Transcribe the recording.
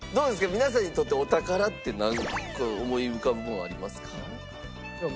皆さんにとってお宝ってなんか思い浮かぶものありますか？